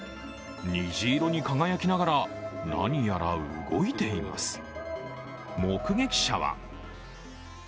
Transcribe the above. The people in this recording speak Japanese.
虹色に輝きながら、何やら動いています。